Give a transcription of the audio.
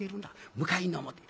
向かいの表へ。